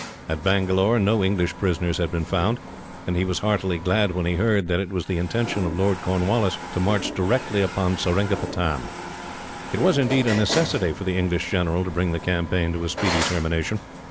At Bangalore, no English prisoners had been found, and he was heartily glad when he heard that it was the intention of Lord Cornwallis to march directly upon Seringapatam. It was, indeed, a necessity for the English general to bring the campaign to a speedy termination.